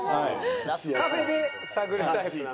カフェで探るタイプなの？